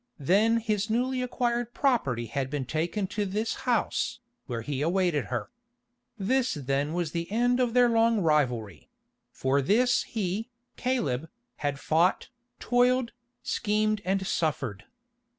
Then his newly acquired property had been taken to this house, where he awaited her. This then was the end of their long rivalry; for this he, Caleb, had fought, toiled, schemed and suffered.